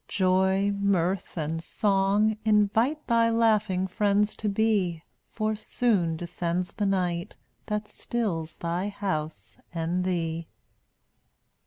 tt wriCJ j oy ^ M i rtn and s ong i nv i t e Thy laughing friends to be, For soon descends the night That stills thy house and thee.